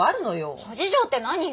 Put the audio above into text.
諸事情って何よ？